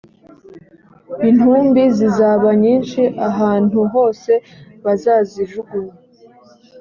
intumbi zizaba nyinshi ahantu hose bazazijugunya